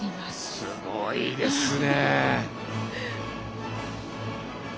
すごいですね。